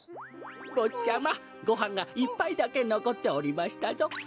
ぼっちゃまごはんが１ぱいだけのこっておりましたぞ。